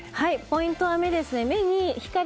ポイントは目ですか。